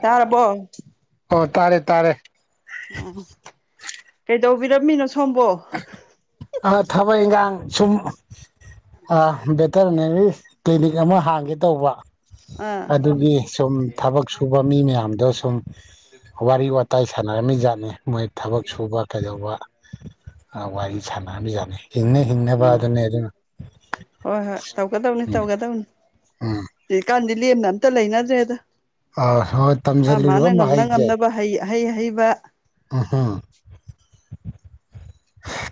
ꯇꯥꯔꯕꯣ ꯑꯣ ꯇꯥꯔꯦ ꯇꯥꯔꯦ ꯎꯝ ꯀꯩꯗꯧꯕꯤꯔꯝꯃꯤꯅꯣ ꯁꯣꯝꯕꯣ ꯑ ꯊꯕꯛ ꯏꯪꯒꯥꯡ ꯁꯨꯝ ꯑ ꯕꯦꯇꯅꯔꯤ ꯀ꯭ꯂꯤꯅꯤꯛ ꯑꯃ ꯍꯥꯡꯒꯦ ꯇꯧꯕ ꯑꯥ ꯑꯗꯨꯒꯤ ꯁꯨꯝ ꯊꯕꯛ ꯁꯨꯕ ꯃꯤ ꯃꯌꯥꯝꯗꯣ ꯁꯨꯝ ꯋꯥꯔꯤ ꯋꯥꯇꯥꯏ ꯁꯥꯟꯅꯔꯝꯃꯤ ꯖꯥꯠꯅꯤ ꯃꯣꯏ ꯊꯕꯛ ꯁꯨꯕ ꯀꯩꯗꯧꯕ ꯋꯥꯔꯤ ꯁꯥꯟꯅꯔꯝ ꯌꯥꯅꯤ ꯍꯤꯡꯅ ꯍꯤꯡꯅ ꯎꯝ ꯍꯣꯏ ꯍꯣꯏ ꯇꯧꯒꯗꯧꯅꯤ ꯎꯝ ꯇꯧꯒꯗꯧꯅꯤ ꯎꯝ ꯍꯧꯀꯥꯟꯗꯤ ꯂꯦꯝꯅ ꯑꯝꯇ ꯂꯩꯅꯗ꯭ꯔꯦꯗ ꯑ ꯍꯣꯏ ꯇꯝꯁꯤꯜꯂꯨꯔꯤꯕ ꯃꯍꯩꯁꯦ ꯐꯩ ꯑꯍꯩ ꯑꯍꯩꯕ ꯑꯍꯥ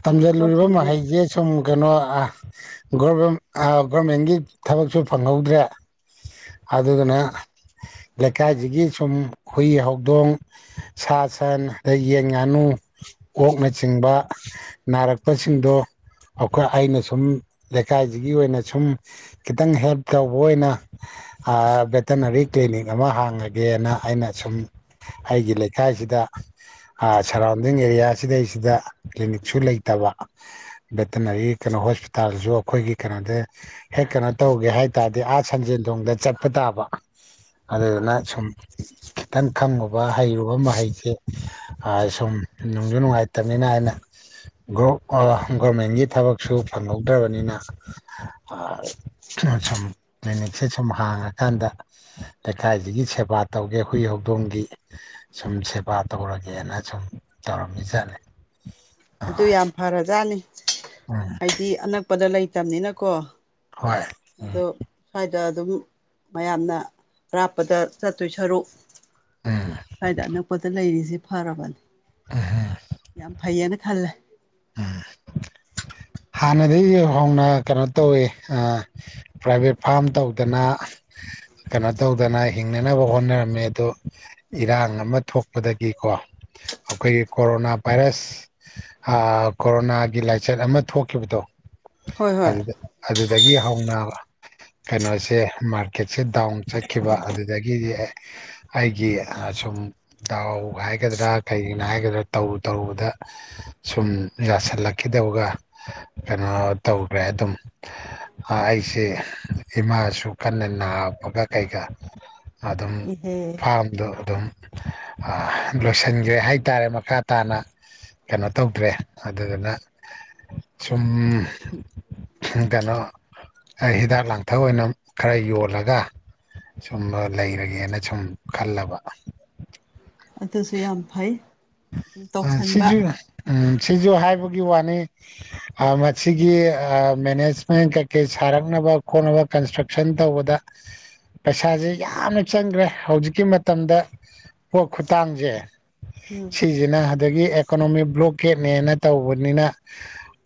ꯇꯝꯖꯜꯂꯨꯔꯤꯕ ꯊꯕꯛꯁꯤꯡꯁꯦ ꯃꯍꯩꯁꯦ ꯁꯨꯝ ꯀꯩꯅꯣ ꯑꯥ ꯒꯣꯔꯃꯦꯟ ꯒꯣꯔꯃꯦꯟꯒꯤ ꯊꯕꯛꯁꯨ ꯐꯪꯍꯧꯗ꯭ꯔꯦ ꯑꯗꯨꯗꯨꯅ ꯂꯩꯀꯥꯏꯁꯤꯒꯤ ꯁꯨꯝ ꯍꯨꯏ ꯍꯧꯗꯣꯡ ꯁꯥ ꯁꯟ ꯑꯗꯩ ꯌꯦꯟ ꯉꯥꯅꯨ ꯑꯣꯛꯅꯆꯤꯡꯕ ꯅꯥꯔꯛꯄꯁꯤꯡꯗꯣ ꯑꯧꯀ ꯑꯩꯅ ꯁꯨꯝ ꯂꯩꯀꯥꯏꯁꯤꯒꯤ ꯑꯣꯏꯅ ꯁꯨꯝ ꯈꯤꯇꯪ ꯍꯦꯜꯞ ꯇꯧꯕ ꯑꯣꯏꯅ ꯑꯥ ꯚꯦꯇꯅꯔꯤ ꯀ꯭ꯂꯤꯅꯤꯛ ꯑꯃ ꯍꯥꯡꯉꯒꯦꯅ ꯑꯩꯅ ꯁꯨꯝ ꯑꯩꯒꯤ ꯂꯩꯀꯥꯏꯁꯤꯗ ꯑꯥ ꯁꯔꯥꯎꯟꯗꯤꯡ ꯑꯦꯔꯤꯌꯥꯁꯤꯗꯩꯁꯤꯗ ꯀ꯭ꯂꯤꯅꯤꯛꯁꯨ ꯂꯩꯇꯕ ꯚꯦꯇꯅꯔꯤ ꯀꯩꯅꯣ ꯍꯣꯁꯄꯤꯇꯥꯜꯁꯨ ꯑꯩꯈꯣꯏꯒꯤ ꯀꯩꯅꯣꯗ ꯍꯦꯛ ꯀꯩꯅꯣ ꯇꯧꯒꯦ ꯍꯥꯏ ꯇꯥꯔꯗꯤ ꯑꯥ ꯁꯟꯖꯦꯟ ꯊꯣꯡꯗ ꯆꯠꯄ ꯇꯥꯕ ꯑꯗꯨꯗꯨꯅ ꯁꯨꯝ ꯈꯤꯇꯪ ꯈꯪꯉꯨꯕ ꯍꯩꯔꯨꯕ ꯃꯍꯩꯁꯦ ꯁꯨꯝ ꯅꯨꯡꯖꯨ ꯅꯨꯡꯉꯥꯏꯇꯕꯅꯤꯅ ꯑꯩꯅ ꯒꯣ ꯑꯥ ꯒꫭꯔꯃꯦꯟꯒꯤ ꯊꯕꯛꯁꯨ ꯐꯪꯍꯧꯗ꯭ꯔꯕꯅꯤꯅ ꯑꯥ ꯁꯨꯝ ꯀ꯭ꯂꯤꯅꯤꯛꯁꯦ ꯁꯨꯝ ꯍꯥꯡꯉꯀꯥꯟꯗ ꯂꯩꯀꯥꯏꯁꯤꯒꯤ ꯁꯦꯕꯥ ꯇꯧꯒꯦ ꯍꯨꯏ ꯍꯧꯗꯣꯡꯒꯤ ꯁꯨꯝ ꯁꯦꯕꯥ ꯇꯧꯔꯒꯦꯅ ꯁꯨꯝ ꯇꯧꯔꯝꯃꯤ ꯖꯠꯅꯤ ꯑꯗꯨ ꯌꯥꯝ ꯐꯔꯖꯥꯠꯅꯤ ꯎꯝ ꯍꯥꯏꯗꯤ ꯑꯅꯛꯄꯗ ꯂꯩꯇꯕꯅꯤꯅꯀꯣ ꯍꯣꯏ ꯎꯝ ꯑꯗꯣ ꯁ꯭ꯋꯥꯏꯗ ꯑꯗꯨꯝ ꯃꯌꯥꯝꯅ ꯑꯔꯥꯞꯄꯗ ꯆꯠꯇꯣꯏ ꯁꯔꯨꯛ ꯎꯝ ꯁ꯭ꯋꯥꯏꯗ ꯑꯅꯛꯄꯗ ꯂꯩꯔꯤꯁꯦ ꯐꯔꯕꯅꯤ ꯌꯥꯝ ꯐꯩꯌꯦꯅ ꯈꯜꯂꯦ ꯎꯝ ꯍꯥꯟꯅꯗꯒꯤ ꯍꯧꯅ ꯀꯩꯅꯣ ꯇꯧꯋꯤ ꯑꯥ ꯄ꯭ꯔꯥꯏꯚꯦꯠ ꯐꯥꯝ ꯇꯧꯗꯅ ꯀꯩꯅꯣ ꯇꯧꯗꯅ ꯍꯤꯡꯅꯅꯕ ꯍꯣꯠꯅꯔꯝꯃꯦ ꯑꯗꯣ ꯏꯔꯥꯡ ꯑꯃ ꯊꯣꯛꯄꯗꯒꯤꯀꯣ ꯑꯩꯈꯣꯏꯒꯤ ꯀꯣꯔꯣꯅꯥ ꯚꯥꯏꯔꯁ ꯑꯥ ꯀꯣꯔꯣꯅꯥꯒꯤ ꯂꯥꯏꯆꯠ ꯑꯃ ꯊꯣꯛꯈꯤꯕꯗꯣ ꯍꯣꯏ ꯍꯣꯏ ꯑꯗꯨꯗ ꯑꯗꯨꯗꯒꯤ ꯍꯧꯅ ꯀꯩꯅꯣꯁꯦ ꯃꯥꯔꯀꯦꯠꯁꯦ ꯗꯥꯎꯟ ꯆꯠꯈꯤꯕ ꯑꯗꯨꯗꯒꯤꯗꯤ ꯑꯩꯒꯤꯁꯨꯝ ꯗꯎ ꯍꯥꯏꯒꯗ꯭ꯔꯥ ꯀꯩꯅ ꯍꯥꯏꯒꯗ꯭ꯔꯥ ꯇꯧꯔꯨ ꯇꯔꯨꯕꯗꯥ ꯁꯨꯝ ꯌꯥꯁꯜꯂꯛꯈꯤꯗꯕꯒ ꯀꯩꯅꯣ ꯇꯧꯈ꯭ꯔꯦ ꯑꯗꯨꯝ ꯑꯩꯁꯦ ꯏꯃꯥꯁꯨ ꯀꯟꯅ ꯅꯥꯕꯒ ꯀꯩꯒ ꯑꯗꯨꯝ ꯏꯍꯦ ꯐꯥꯔꯝꯗꯣ ꯑꯗꯨꯝ ꯂꯣꯏꯁꯤꯟꯒ꯭ꯔꯦ ꯍꯥꯏꯇꯥꯔꯦ ꯃꯈꯥ ꯇꯥꯅ ꯀꯩꯅꯣ ꯇꯧꯗ꯭ꯔꯦ ꯑꯗꯨꯗꯨꯅ ꯁꯨꯝ ꯀꯩꯅꯣ ꯍꯤꯗꯥꯛ ꯂꯥꯡꯊꯛ ꯑꯣꯏꯅ ꯈꯔ ꯌꯣꯜꯂꯒ ꯁꯨꯝ ꯂꯩꯔꯒꯦꯅ ꯁꯨꯝ ꯈꯜꯂꯕ ꯑꯗꯨꯁꯨ ꯌꯥꯝ ꯐꯩ ꯑꯗꯨꯝ ꯑ ꯇꯧꯁꯟꯕ ꯁꯤꯁꯨ ꯎꯝ ꯁꯤꯁꯨ ꯍꯥꯏꯕꯒꯤ ꯋꯥꯅꯤ ꯃꯁꯤꯒꯤ ꯃꯦꯅꯦꯖꯃꯦꯟ ꯀꯩꯀꯩ ꯁꯥꯔꯛꯅꯕ ꯈꯣꯠꯅꯕ ꯀꯟꯁꯇ꯭ꯔꯛꯁꯟ ꯇꯧꯕꯗ ꯄꯩꯁꯥꯁꯦ ꯌꯥꯝꯅ ꯆꯪꯈ꯭ꯔꯦ ꯍꯧꯖꯤꯛꯀꯤ ꯃꯇꯝꯗ ꯄꯣꯠ ꯈꯨꯠꯇꯥꯡꯁꯦ ꯎꯝ [unintelligible] ꯗꯤꯅ ꯑꯗꯒꯤ ꯑꯦꯀꯣꯅꯣꯃꯤꯛ ꯕ꯭ꯂꯣꯀꯦꯠꯅꯦꯅ ꯇꯧꯕꯅꯤꯅ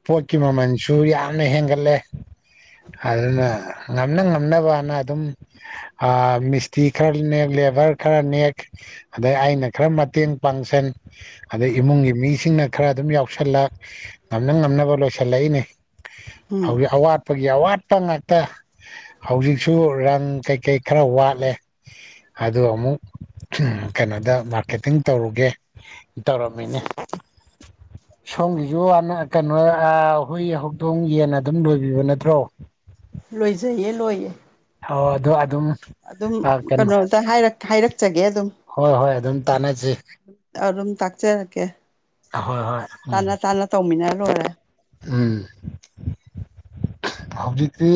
ꯄꯣꯠꯀꯤ ꯃꯃꯜꯁꯨ ꯌꯥꯝꯅ ꯍꯦꯟꯒꯠꯂꯦ ꯑꯗꯨꯅ ꯉꯝꯅ ꯉꯝꯅꯕꯅ ꯑꯗꯨꯝ ꯑꯥ ꯃꯤꯁꯇ꯭ꯔꯤ ꯈꯔ ꯅꯦꯛ ꯂꯦꯕꯔ ꯈꯔ ꯅꯦꯛ ꯑꯗꯩ ꯑꯩꯅ ꯈꯔ ꯃꯇꯦꯡ ꯄꯥꯡꯁꯟ ꯑꯗꯩ ꯏꯃꯨꯡꯒꯤ ꯃꯤꯁꯤꯡꯅ ꯈꯔ ꯑꯗꯨꯝ ꯌꯥꯎꯁꯜꯂꯛ ꯉꯝꯅ ꯉꯝꯅꯕ ꯂꯣꯏꯁꯤꯜꯂꯛꯏꯅꯤ ꯎꯝ ꯍꯧꯖꯤꯛ ꯑꯋꯥꯠ [unintelligible] ꯑꯋꯥꯠꯄ ꯉꯥꯛꯇ ꯍꯧꯖꯤꯛꯁꯨ ꯔꯪ ꯀꯩꯀꯩ ꯈꯔ ꯋꯥꯠꯂꯦ ꯑꯗꯨ ꯑꯃꯨꯛ ꯀꯩꯅꯣꯗ ꯃꯥꯔꯀꯦꯇꯤꯡ ꯇꯧꯔꯨꯒꯦ ꯇꯧꯔꯝꯃꯦꯅꯦ ꯁꯣꯝꯒꯤꯁꯨ ꯑꯃ ꯀꯩꯅꯣ ꯍꯨꯏ ꯍꯧꯗꯣꯡ ꯌꯦꯟ ꯑꯗꯨꯝ ꯂꯣꯏꯕꯤꯕ ꯅꯠꯇ꯭ꯔꯣ ꯂꯣꯏꯖꯩꯌꯦ ꯂꯣꯏꯌꯦ ꯍꯣ ꯑꯗꯣ ꯑꯗꯨꯝ ꯑꯗꯨꯝ ꯀꯩꯅꯣ ꯀꯩꯅꯣꯝꯇ ꯍꯥꯏꯔꯛ ꯍꯥꯏꯔꯛꯆꯒꯦ ꯑꯗꯨꯝ ꯍꯣꯏ ꯍꯣꯏ ꯑꯗꯨꯝ ꯇꯥꯟꯅꯖꯤ ꯑꯗꯨꯝ ꯇꯥꯛꯆꯔꯛꯀꯦ ꯍꯣꯏ ꯍꯣꯏ ꯎꯝ ꯇꯥꯅ ꯇꯥꯅ ꯇꯧꯃꯤꯟꯅ ꯂꯣꯏꯔꯦ ꯎꯝ ꯍꯧꯖꯤꯛꯇꯤ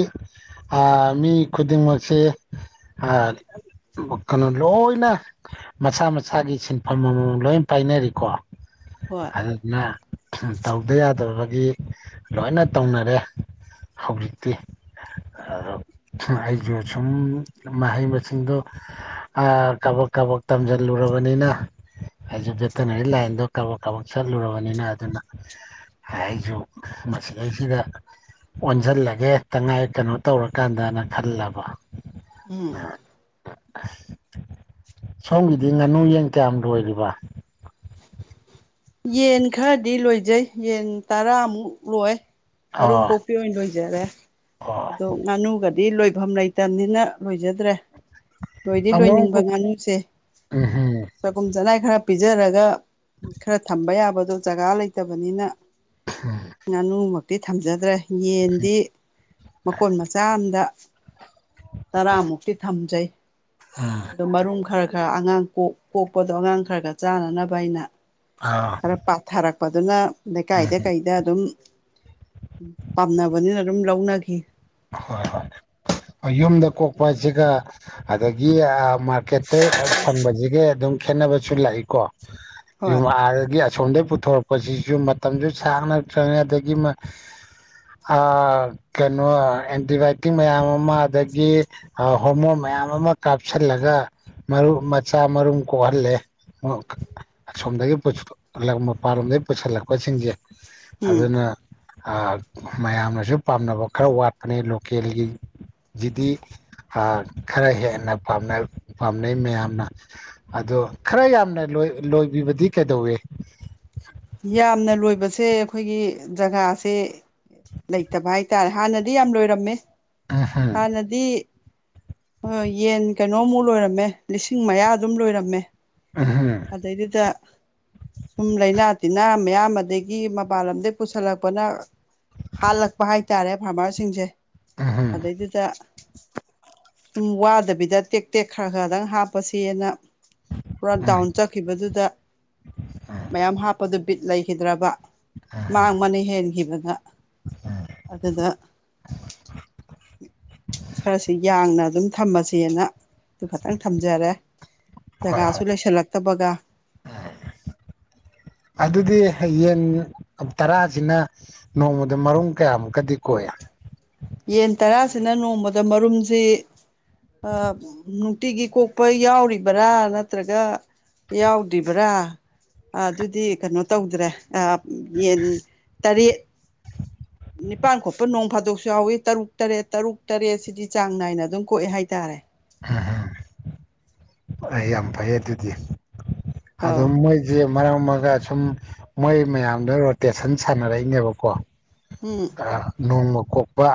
ꯑꯥ ꯃꯤ ꯈꯨꯗꯤꯡꯃꯛꯁꯦ ꯑꯥ [unintelligible] ꯅꯣ ꯂꯣꯏꯅ ꯃꯁꯥ ꯃꯁꯥꯒꯤ ꯁꯤꯟꯐꯝ ꯑꯃꯃꯝ ꯂꯣꯏ ꯄꯥꯏꯅꯔꯤꯀꯣ ꯍꯣꯏ ꯑꯗꯨꯗꯨꯅ ꯇꯧꯗ ꯌꯥꯗꯕꯒꯤ ꯂꯣꯏꯅ ꯇꯧꯅꯔꯦ ꯍꯧꯖꯤꯛꯇꯤ ꯑ ꯑꯩꯁꯨ ꯁꯨꯝ ꯃꯍꯩ ꯃꯁꯤꯡꯗꯣ ꯑꯥ ꯀꯕꯛ ꯀꯕꯛ ꯇꯝꯖꯟꯂꯨꯔꯕꯅꯤꯅ ꯑꯩꯁꯨ ꯚꯦꯇꯅꯔꯤ ꯂꯥꯏꯟꯗꯣ ꯀꯕꯛ ꯀꯕꯛ ꯆꯠꯂꯨꯔꯕꯅꯤꯅ ꯑꯗꯨꯅ ꯑꯩꯖꯨ ꯃꯁꯤꯗꯩꯁꯤꯗ ꯑꯣꯟꯖꯜꯂꯒ ꯍꯦꯛꯇ ꯉꯥꯏ ꯀꯩꯅꯣ ꯇꯧꯔꯀꯥꯟꯗꯅ ꯈꯜꯂꯕ ꯎꯝ ꯑꯁ ꯁꯣꯝꯒꯤꯗꯤ ꯉꯥꯅꯨ ꯌꯦꯟ ꯀꯌꯥꯝ ꯂꯣꯏꯔꯤꯕ ꯌꯦꯟ ꯈꯔꯗꯤ ꯂꯣꯏꯖꯩ ꯌꯦꯟ ꯇꯔꯥꯃꯨꯛ ꯂꯣꯏ ꯃꯔꯨꯝ ꯑꯣ ꯀꯣꯛ ꯄꯤ ꯑꯣꯏꯅ ꯂꯣꯏꯖꯔꯦ ꯑꯣ ꯑꯗꯣ ꯉꯥꯅꯨꯒꯗꯤ ꯂꯣꯏꯐꯝ ꯂꯩꯇꯝꯅꯤꯅ ꯂꯣꯏꯖꯗ꯭ꯔꯦ ꯂꯣꯏꯗꯤ ꯑꯃꯨꯛ ꯂꯣꯏꯅꯤꯡꯕ ꯉꯥꯅꯨꯁꯦ ꯎꯝ ꯍꯝ ꯆꯒꯨꯝ ꯆꯅꯥꯏ ꯈꯔ ꯄꯤꯖꯔꯒ [unintelligible] ꯈꯔ ꯊꯝꯕ ꯌꯥꯕꯗꯣ ꯖꯒꯥ ꯂꯩꯇꯕꯅꯤꯅ ꯉꯥꯅꯨꯃꯛꯇꯤ ꯊꯝꯖꯗ꯭ꯔꯦ ꯌꯦꯟꯗꯤ ꯃꯀꯣꯟ ꯃꯆꯥ ꯑꯝꯗ ꯇꯔꯥꯃꯨꯛꯇꯤ ꯊꯝꯖꯩ ꯑ ꯑꯗꯣ ꯃꯔꯨꯝ ꯈꯔ ꯈꯔ ꯑꯉꯥꯡ ꯀꯣꯛ -ꯀꯣꯛꯄꯗꯣ ꯑꯉꯥꯡ ꯈꯔ ꯈꯔ ꯆꯥꯅꯅꯕ ꯑꯩꯅ ꯑꯥ ꯈꯔ ꯄꯥꯊꯔꯛꯄꯗꯨꯅ ꯂꯩꯀꯥꯏꯗ ꯀꯩꯗ ꯑꯗꯨꯝ ꯄꯥꯝꯅꯕꯅꯤꯅ ꯑꯗꯨꯝ ꯂꯧꯅꯈꯤ ꯍꯣꯏ ꯍꯣꯏ ꯌꯨꯝꯗ ꯀꯣꯛꯄ ꯍꯥꯏꯁꯤꯒ ꯑꯗꯒꯤ ꯑ ꯃꯥꯔꯀꯦꯠꯇꯩ ꯑ ꯐꯪꯕꯖꯤꯒꯦ ꯑꯗꯨꯝ ꯈꯦꯠꯅꯕꯁꯨ ꯂꯥꯏꯀꯣ ꯌꯨꯝ ꯍꯣꯏ [unintelligible] ꯒꯤ ꯁꯣꯝꯗꯩ ꯄꯨꯊꯣꯔꯄꯁꯤꯖꯨ ꯃꯇꯝꯖꯨ ꯁꯥꯡꯅ ꯆꯪꯉꯦ ꯑꯗꯒꯤ ꯑꯃ ꯑꯥ ꯀꯩꯅꯣ ꯑꯦꯟꯇꯤꯕꯥꯏꯇꯤꯛ ꯃꯌꯥꯝ ꯑꯃ ꯑꯗꯒꯤ ꯑ ꯍꯣꯔꯃꯣꯟ ꯃꯌꯥꯝ ꯑꯃ ꯀꯥꯞꯁꯜꯂꯒ ꯃꯔꯨ ꯃꯆꯥ ꯃꯔꯨꯝ ꯀꯣꯛꯍꯜꯂꯦ ꯑꯃꯨꯛ ꯑꯁꯣꯝꯗꯒꯤ ꯄꯨꯁꯟꯂꯛ ꯃꯄꯥꯔꯣꯝꯗꯩ ꯄꯨꯁꯟꯂꯛꯄꯁꯤꯡꯖꯦ ꯎꯝ ꯑꯗꯨꯅ ꯑ ꯃꯌꯥꯝꯅꯁꯨ ꯄꯥꯝꯅꯕ ꯈꯔ ꯋꯥꯠ ꯄꯅꯦ ꯂꯣꯀꯦꯜꯒꯤ ꯖꯤꯗꯤ ꯑ ꯈꯔ ꯍꯦꯟꯅ ꯄꯥꯝꯅꯩ ꯄꯥꯝꯅꯩ ꯃꯌꯥꯝꯅ ꯑꯗꯣ ꯈꯔ ꯌꯥꯝꯅ ꯂꯣꯏ ꯂꯣꯏꯕꯤꯕꯗꯤ ꯀꯩꯗꯧꯋꯦ ꯌꯥꯝꯅ ꯂꯣꯏꯕꯁꯦ ꯑꯈꯣꯏꯒꯤ ꯖꯒꯥꯁꯦ ꯂꯩꯇꯕ ꯍꯥꯏꯇꯥꯔꯦ ꯍꯥꯟꯅꯗꯤ ꯌꯥꯝ ꯂꯣꯏꯔꯝꯃꯦ ꯎꯝꯍꯨꯝ ꯍꯥꯟꯅꯗꯤ ꯍꯣꯏ ꯌꯦꯟ ꯀꯩꯅꯣꯃꯨꯛꯂꯣꯏꯔꯝꯃꯦ ꯂꯤꯁꯤꯡ ꯃꯌꯥ ꯑꯗꯨꯝ ꯂꯣꯏꯔꯝꯃꯦ ꯑꯥ ꯍꯥ ꯑꯗꯩꯗꯨꯗ ꯁꯨꯝ ꯂꯩꯥꯅꯥ ꯇꯤꯟꯅꯥ ꯃꯌꯥꯝ ꯑꯗꯒꯤ ꯃꯄꯥꯟ ꯂꯝꯗꯩ ꯄꯨꯁꯜꯂꯛꯄꯅ ꯍꯥꯜꯂꯛꯄ ꯍꯥꯏꯇꯥꯔꯦ ꯐꯥꯔꯃꯔꯁꯤꯡꯁꯦ ꯎꯝꯍꯨꯝ ꯑꯗꯩꯗꯨꯗ ꯁꯨꯝ ꯋꯥꯗꯕꯤꯗ ꯇꯦꯛ ꯇꯦꯛ ꯈꯔ ꯈꯔꯗꯪ ꯍꯥꯞꯄꯁꯦꯅ ꯄꯨꯔꯥ ꯎꯝ ꯗꯥꯎꯟ ꯆꯠꯈꯤꯕꯗꯨꯗ ꯃꯌꯥꯝ ꯍꯥꯞꯄꯗꯨ ꯕꯤꯠ ꯂꯩꯈꯤꯗ꯭ꯔꯕ ꯃꯥꯡꯕꯅ ꯍꯦꯟꯈꯤꯕꯗ ꯑꯗꯨꯗ ꯈꯔꯁꯤ ꯌꯥꯡꯅ ꯑꯗꯨꯝ ꯊꯝꯃꯁꯦꯅ ꯑꯗꯨ ꯈꯇꯪ ꯊꯝꯖꯔꯦ ꯍꯣꯏ ꯍꯣꯏ ꯖꯒꯥꯁꯨ ꯂꯩꯁꯜꯂꯛꯇꯕꯒ ꯑꯗꯨꯗꯤ ꯍꯥꯌꯦꯟ ꯇꯔꯥꯖꯤꯅ ꯅꯣꯡꯃꯗ ꯃꯔꯨꯝ ꯀꯌꯥꯃꯨꯛꯀꯗꯤ ꯀꯣꯛꯏ ꯌꯦꯟ ꯇꯔꯥꯁꯤꯅ ꯅꯣꯡꯃꯗ ꯃꯔꯨꯝꯖꯦ ꯑ ꯅꯨꯡꯇꯤꯒꯤ ꯀꯣꯛꯄ ꯌꯥꯎꯔꯤꯕꯔꯥ ꯅꯠꯇ꯭ꯔꯒ ꯌꯥꯎꯗꯤꯕ꯭ꯔꯥ ꯑ ꯗꯨꯗꯤ ꯀꯩꯅꯣ ꯇꯧꯗ꯭ꯔꯦ ꯑꯥ ꯌꯦꯟ ꯇꯔꯦꯠ ꯅꯤꯄꯥꯟ ꯈꯣꯛꯄ ꯅꯣꯡ ꯐꯥꯗꯣꯛꯁꯨ ꯌꯥꯎꯋꯤ ꯇꯔꯨꯛ ꯇꯔꯦꯠ ꯇꯔꯨꯛ ꯇꯔꯦꯠ ꯁꯤꯗꯤ ꯆꯥꯡ ꯅꯥꯏꯅ ꯑꯗꯨꯝ ꯀꯣꯛꯑꯦ ꯍꯥꯏꯇꯥꯔꯦ ꯍꯝꯍꯝ ꯑꯩ ꯌꯥꯝ ꯐꯩ ꯑꯗꯨꯗꯤ ꯑꯗꯨꯝ ꯑꯧ ꯃꯣꯏ ꯖꯦ ꯃꯔꯛꯃꯔꯛꯗ ꯁꯨꯝ ꯃꯣꯏ ꯃꯌꯥꯝꯗ ꯔꯣꯇꯦꯁꯟ ꯁꯥꯟꯅꯔꯛꯏꯅꯦꯕꯀꯣ ꯎꯝ ꯅꯣꯡꯃ ꯀꯣꯛꯄ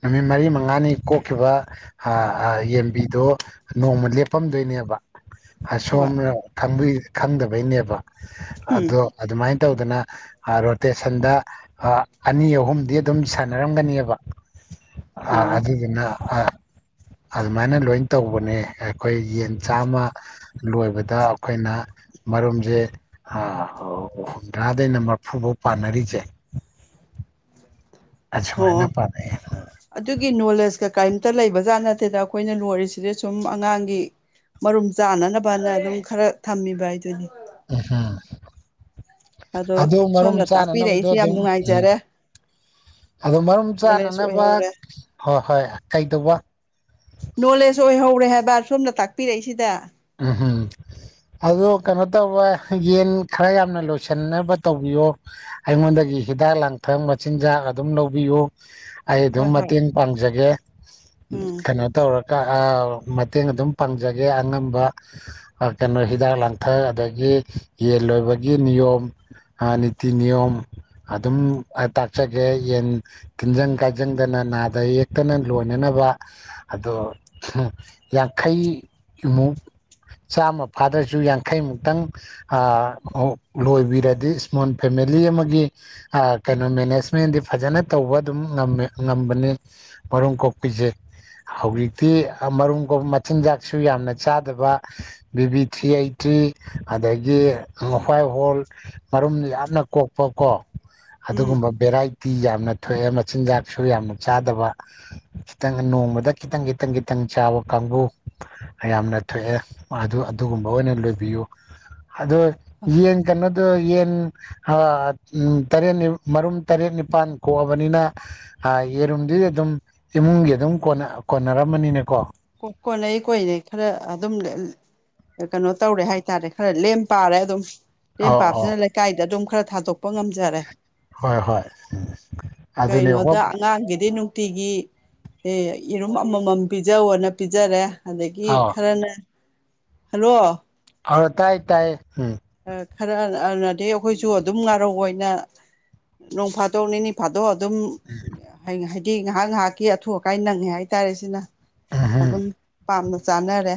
ꯅꯨꯃꯤꯠ ꯃꯔꯤ ꯃꯉꯥꯅꯤ ꯀꯣꯛꯈꯤꯕ ꯍꯥꯍꯥ ꯌꯦꯟꯕꯤꯗꯣ ꯅꯣꯡꯃ ꯂꯦꯞꯄꯝꯗꯣꯏꯅꯦꯕ ꯑꯥ ꯍꯣꯏ ꯁꯣꯝꯅ ꯈꯪꯕꯤ ꯈꯪꯗꯕꯩꯅꯦꯕ ꯎꯝ ꯑꯗꯣ ꯑꯗꯨꯃꯥꯏꯅ ꯇꯧꯗꯅ ꯔꯣꯇꯦꯁꯟꯗ ꯑꯅꯤ ꯑꯍꯨꯝꯗꯤ ꯑꯗꯨꯝ ꯁꯥꯟꯅꯔꯝꯒꯅꯤꯕ ꯑ ꯑꯣ ꯑꯗꯨꯗꯨꯅ ꯑ ꯑꯗꯨꯃꯥꯏꯅ ꯂꯣꯏ ꯇꯧꯕꯅꯦ ꯑꯩꯈꯣꯏ ꯌꯦꯟ ꯆꯥꯝꯃ ꯂꯣꯏꯕꯗ ꯑꯩꯈꯣꯏꯅ ꯃꯔꯨꯝꯁꯦ ꯍꯨꯝꯗ꯭ꯔꯥꯗꯩꯅ ꯃꯔꯐꯨꯐꯥꯎ ꯄꯥꯟꯅꯔꯤꯁꯦ ꯍꯣ ꯑꯁꯨꯃꯥꯏꯅ ꯄꯥꯟꯅꯩꯑꯦ ꯑꯗꯨꯒꯤ ꯅꯣꯂꯦꯖꯀ ꯀꯔꯤꯝꯇ ꯂꯩꯕꯖꯥꯠ ꯅꯠꯇꯦꯗ ꯑꯩꯈꯣꯏꯅ ꯂꯣꯏꯔꯤꯁꯤꯗꯤ ꯁꯨꯝ ꯑꯉꯥꯡꯒꯤ ꯃꯔꯨꯝ ꯆꯥꯅꯅꯕꯅ ꯑꯗꯨꯝ ꯈꯔ ꯊꯝꯃꯤꯕ ꯍꯥꯏꯗꯨꯅꯤ ꯑꯗꯣ [unintelligible] ꯑꯗꯨ ꯃꯔꯨꯝ ꯁꯣꯝꯅ ꯆꯥꯅꯅꯕꯗꯣ ꯇꯥꯛꯄꯤꯔꯛꯏꯁꯦ ꯌꯥꯝ ꯑꯗꯨꯝ ꯎꯝ ꯅꯨꯡꯉꯥꯏꯖꯔꯦ ꯑꯗꯣ ꯃꯔꯨꯝ ꯅꯣꯂꯦꯖ ꯆꯥꯅꯅꯕ ꯑꯣꯏꯍꯧꯔꯦ ꯍꯣꯏ ꯍꯣꯏ ꯀꯩꯗꯧꯕ ꯅꯣꯂꯦꯖ ꯑꯣꯏꯍꯧꯔꯦ ꯍꯥꯏꯕ ꯁꯣꯝꯅ ꯇꯥꯛꯄꯤꯔꯛꯏꯁꯤꯗ [unintelligible] ꯑꯗꯣ ꯀꯩꯅꯣ ꯇꯧꯕ ꯌꯦꯟ ꯈꯔ ꯌꯥꯝꯅ ꯂꯣꯏꯁꯤꯟꯅꯕ ꯇꯧꯕꯤꯌꯣ ꯑꯩꯉꯣꯟꯗꯒꯤ ꯍꯤꯗꯥꯛ ꯂꯥꯡꯊꯛ ꯃꯆꯤꯟꯖꯥꯛ ꯑꯗꯨꯝ ꯂꯧꯕꯤꯌꯨ ꯑꯩ ꯍꯣꯏ ꯑꯗꯨꯝ ꯍꯣꯏ ꯃꯇꯦꯡ ꯄꯥꯡꯖꯒꯦ ꯎꯝ ꯀꯩꯅꯣ ꯇꯧꯔꯒ ꯃꯇꯦꯡ ꯑꯗꯨꯝ ꯄꯥꯡꯖꯒꯦ ꯑꯉꯝ ꯀꯩꯅꯣ ꯍꯤꯗꯥꯛ ꯂꯥꯡꯊꯛ ꯑꯗꯒꯤ ꯌꯦꯟ ꯂꯣꯏꯕꯒꯤ ꯅꯤꯌꯣꯝ ꯅꯤꯇꯤ ꯅꯤꯌꯣꯝ ꯑꯗꯨꯝ ꯇꯥꯛꯆꯒꯦ ꯌꯦꯟ ꯇꯤꯟꯖꯪ ꯀꯥꯏꯖꯪꯗꯅ ꯅꯥꯗ ꯌꯦꯛꯇꯅ ꯂꯣꯏꯅꯅꯕ ꯑꯗꯣ ꯌꯥꯡꯈꯩꯃꯨꯛ ꯆꯥꯝꯃ ꯐꯥꯗ꯭ꯔꯁꯨ ꯌꯥꯡꯈꯩꯃꯨꯛꯇꯪ ꯑ ꯑꯧ ꯂꯣꯏꯕꯤꯔꯗꯤ ꯏꯁꯃꯣꯜ ꯐꯦꯃꯤꯂꯤ ꯑꯃꯒꯤ ꯑ ꯀꯩꯅꯣ ꯃꯦꯅꯦꯖꯃꯦꯟꯗꯤ ꯐꯖꯅ ꯇꯧꯕ ꯑꯗꯨꯝ ꯉꯝꯃꯦ ꯉꯝꯕꯅꯤ [unintelligible] ꯃꯔꯨꯝ ꯀꯣꯛꯄꯤꯁꯦ ꯍꯧꯖꯤꯛꯇꯤ ꯑ ꯃꯔꯨꯝ ꯀꯣꯛ ꯃꯆꯤꯟꯖꯥꯛꯁꯨ ꯌꯥꯝꯅ ꯆꯥ [unintelligible] ꯗꯕ ꯕꯤꯕꯤ ꯊ꯭ꯔꯤ ꯑꯩꯠꯇ ꯊ꯭ꯔꯤ ꯑꯗꯒꯤ ꯍ꯭ꯋꯥꯏ ꯍꯣꯜ ꯃꯔꯨꯝ ꯌꯥꯝꯅ ꯀꯣꯛꯄ ꯀꯣ ꯎꯝ ꯑꯗꯨꯒꯨꯝꯕ ꯚꯦꯔꯥꯏꯇꯤ ꯌꯥꯝꯅ ꯊꯣꯛꯑꯦ ꯃꯆꯤꯟꯖꯥꯛꯁꯨ ꯌꯥꯝꯅ ꯆꯥꯗꯕ ꯈꯤꯇꯪ ꯅꯣꯡꯃꯗ ꯈꯤꯇꯪ ꯈꯤꯇꯪ ꯈꯤꯇꯪ ꯆꯥꯕ ꯀꯥꯡꯕꯨ ꯌꯥꯝꯅ [unintelligible] ꯑꯗꯨꯒꯨꯝꯕ ꯑꯣꯏꯅ ꯂꯣꯏꯕꯤꯌꯨ [unintelligible] ꯌꯦꯟ ꯀꯩꯅꯣꯗꯣ ꯌꯦꯟ [unintelligible] [unintelligible] ꯇꯔꯦꯠ ꯃꯔꯨꯝ ꯇꯔꯦꯠ ꯅꯤꯄꯥꯜ ꯀꯣꯛꯑꯕꯅꯤꯅ [unintelligible] [unintelligible] ꯌꯦꯔꯨꯝꯗꯤ ꯑꯗꯨꯝ ꯏꯃꯨꯡꯒꯤ ꯑꯗꯨꯝ ꯀꯣꯟꯅꯔꯝꯃꯅꯤꯅꯦꯀꯣ ꯀꯣꯟꯅꯩ ꯀꯣꯏꯅꯩ ꯈꯔ ꯑꯗꯨꯝ [unintelligible] ꯀꯩꯅꯣ ꯇꯧꯔꯦ ꯍꯥꯏꯇꯥꯔꯦ ꯈꯔ ꯂꯦꯝ ꯄꯥꯔꯦ ꯑꯗꯨꯝ ꯂꯦꯝ ꯑꯧ ꯑꯧ ꯄꯥꯕꯁꯤꯅ ꯂꯩꯀꯥꯏꯗ ꯑꯗꯨꯝ ꯈꯔ ꯊꯥꯗꯣꯛ ꯄ ꯉꯝꯖꯔꯦ ꯍꯣꯏ ꯍꯣꯏ ꯑꯗꯨꯅꯦ ꯀꯩꯅꯣꯗ ꯍꯣꯞ ꯑꯉꯥꯡꯒꯤꯗꯤ ꯅꯨꯡꯇꯤꯒꯤ ꯑꯦ ꯌꯦꯔꯨꯝ ꯑꯃꯃꯝ ꯄꯤꯖꯧꯅ ꯄꯤꯖꯔꯦ ꯑꯗꯒꯤ ꯑꯥꯎ ꯈꯔꯅ ꯍꯦꯜꯂꯣ ꯑ ꯇꯥꯏ ꯇꯥꯏ ꯎꯝ ꯈꯔ [unintelligible] ꯑꯩꯈꯣꯏꯁꯨ ꯑꯗꯨꯝ ꯉꯥꯔꯧ ꯑꯣꯏꯅ ꯅꯣꯡ ꯐꯥꯗꯣꯛ ꯅꯤꯅꯤ ꯐꯥꯗꯣꯛ [unintelligible] ꯗꯨꯝ ꯑꯩꯅꯥ ꯍꯥꯏꯗꯤ ꯉꯥꯏꯍꯥꯛ ꯉꯥꯏꯍꯥꯛꯀꯤ ꯑꯊꯨ ꯑꯀꯥꯏ ꯅꯪꯉꯦ ꯍꯥꯏꯇꯥꯔꯦ ꯁꯤꯅ ꯎꯝ ꯑꯗꯨꯝ ꯄꯥꯝꯅ ꯆꯥꯅꯔꯦ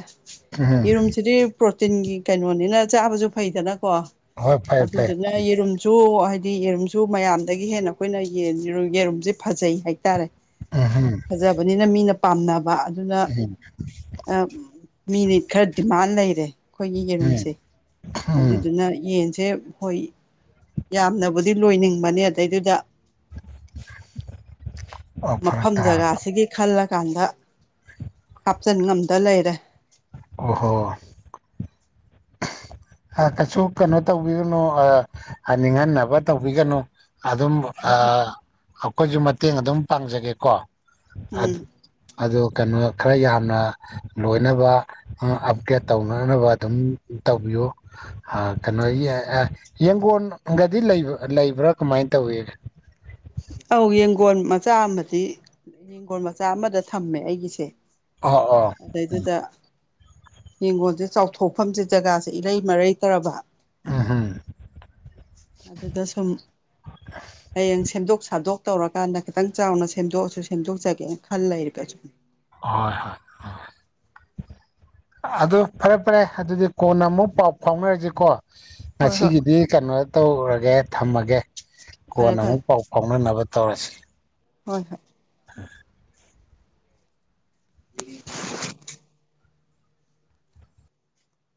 ꯎꯝ ꯌꯦꯔꯨꯝꯁꯤꯗꯤ ꯄ꯭ꯔꯣꯇꯤꯟꯒꯤ ꯀꯩꯅꯣꯅꯤꯅ ꯆꯥꯕꯁꯨ ꯐꯩꯗꯅꯀꯣ ꯍꯣꯏ ꯐꯩ ꯐꯩ ꯑꯗꯨꯗꯨꯅ ꯌꯦꯔꯨꯝ ꯁꯨ ꯍꯥꯏꯗꯤ ꯌꯦꯔꯨꯝꯁꯨ ꯃꯌꯥꯝꯗꯒꯤ ꯍꯦꯟꯅ ꯑꯩꯈꯣꯏꯅ ꯌꯦꯟ [unintelligible] ꯌꯦꯔꯨꯝꯁꯦ ꯐꯖꯩ ꯍꯥꯏꯇꯥꯔꯦ [unintelligible] ꯐꯖꯕꯅꯤꯅ ꯃꯤꯅ ꯄꯥꯝꯅꯕ ꯑꯗꯨꯅ ꯑꯞ ꯃꯤꯅ ꯈꯔ ꯗꯤꯃꯥꯟ ꯂꯩꯔꯦ ꯑꯩꯈꯣꯏꯒꯤ ꯎꯝ ꯌꯦꯔꯨꯝꯁꯦ ꯎꯝ ꯑꯗꯨꯏꯗꯨꯅ ꯌꯦꯟꯁꯦ ꯍꯣꯏ ꯌꯥꯝꯅꯕꯨꯗꯤ ꯂꯣꯏꯅꯤꯡꯕꯅꯦ ꯑꯗꯩꯗꯨꯗ ꯑꯣ [inaudible] ꯐꯔꯛ ꯃꯐꯝ ꯇꯥꯔꯕ ꯖꯒꯥꯁꯤꯒꯤ ꯈꯜꯂꯀꯥꯟꯗ ꯍꯥꯞꯆꯟ ꯉꯝꯗ ꯂꯩꯔꯦ ꯑꯣꯍꯣ ꯑꯥ ꯀꯩꯁꯨ ꯀꯩꯅꯣ ꯇꯧꯕꯤꯔꯨꯅꯣ [unintelligible] ꯅꯤꯡꯍꯟꯅꯕ ꯇꯧꯕꯤꯒꯅꯨ ꯑꯗꯨꯝ ꯍꯣꯏ ꯍꯣꯏ ꯑꯥ ꯑꯩꯈꯣꯏꯁꯨ ꯃꯇꯦꯡ ꯑꯗꯨꯝ ꯄꯥꯡꯖꯒꯦꯀꯣ [unintelligible] ꯎꯝ ꯑꯗꯣ ꯀꯩꯅꯣ ꯈꯔ ꯌꯥꯝꯅ ꯂꯣꯏꯅꯕ ꯑꯞꯒ꯭ꯔꯦꯗ ꯇꯧꯅꯅꯕ ꯑꯗꯨꯝ ꯇꯧꯕꯤꯌꯨ ꯑ ꯀꯩꯅꯣ [unintelligible] ꯌꯦꯡꯒꯣꯟꯒꯗꯤ ꯂꯩꯕ꯭ꯔꯥ ꯀꯃꯥꯏꯅ ꯇꯧꯋꯤ ꯑꯧ ꯌꯦꯡꯒꯣꯟ ꯃꯆꯥ ꯑꯃꯗꯤ ꯌꯦꯡꯒꯣꯟ ꯃꯆꯥ ꯑꯃꯗ ꯊꯝꯃꯦ ꯑꯩꯒꯤꯁꯦ ꯑꯣ ꯑꯣ ꯑꯗꯩꯗꯨꯗ ꯌꯦꯡꯒꯣꯟꯁꯦ ꯆꯥꯎꯊꯣꯛꯐꯝꯁꯦ ꯖꯒꯥꯁꯦ ꯏꯔꯩ ꯃꯔꯩꯇꯔꯕ ꯎꯃ ꯍꯨꯝ ꯑꯗꯨꯗ ꯁꯨꯝ ꯍꯌꯦꯡ ꯁꯦꯝꯗꯣꯛ ꯁꯥꯗꯣꯛ ꯇꯧꯔꯀꯥꯟꯗ ꯈꯤꯇꯪ ꯆꯥꯎꯅ ꯁꯦꯝꯗꯣꯛꯑꯁꯨ ꯁꯦꯝꯗꯣꯛꯆꯒꯦꯅ ꯈꯜ ꯂꯩꯔꯕ [unintelligible] ꯍꯣꯏ ꯍꯣꯏ [unintelligible] ꯑꯗꯨ ꯐꯔꯦ ꯐꯔꯦ ꯑꯗꯨꯗꯤ ꯀꯣꯟꯅ ꯑꯃꯨꯛ ꯄꯥꯎ ꯐꯥꯎꯅꯔꯖꯤꯀꯣ ꯍꯣꯏ ꯍꯣꯏ ꯉꯁꯤꯒꯤꯗꯤ ꯀꯩꯅꯣ ꯇꯧꯔꯒꯦ ꯊꯝꯃꯒꯦ ꯐꯔꯦ ꯀꯣꯟ ꯐꯔꯦ ꯑꯃꯨꯛ ꯄꯥꯎ ꯐꯥꯎ ꯐꯥꯑꯣꯅꯥꯅꯕ ꯇꯧꯔ꯭ꯁꯦ ꯍꯣꯏ ꯍꯣꯏ [inaudible] [unintelligible]